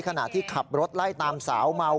ขณะที่ขับรถไล่ตามสาวเมา